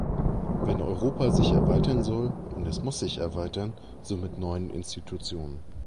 Wenn Europa sich erweitern soll, und es muss sich erweitern, so mit neuen Institutionen.